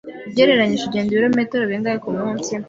Ugereranije, ugenda ibirometero bingahe kumunsi?